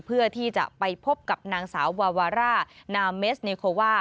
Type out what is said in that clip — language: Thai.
เพื่อที่จะไปพบกับนางสาววาวาร่านาเมสเนโคว่า